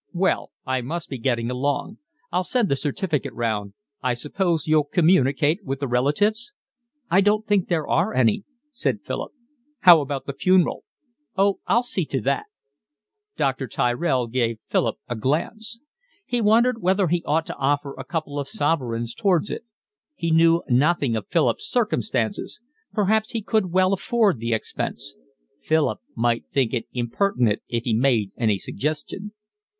"Well, I must be getting along. I'll send the certificate round. I suppose you'll communicate with the relatives." "I don't think there are any," said Philip. "How about the funeral?" "Oh, I'll see to that." Dr. Tyrell gave Philip a glance. He wondered whether he ought to offer a couple of sovereigns towards it. He knew nothing of Philip's circumstances; perhaps he could well afford the expense; Philip might think it impertinent if he made any suggestion.